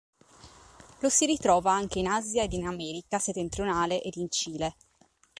La si ritrova anche in Asia ed in America settentrionale ed in Cile.